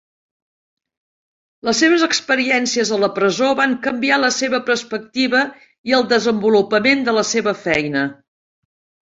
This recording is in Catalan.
Les seves experiències a la presó van canviar la seva perspectiva i el desenvolupament de la seva feina.